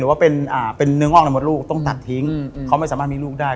ว่าเป็นเนื้องอกในมดลูกต้องตัดทิ้งเขาไม่สามารถมีลูกได้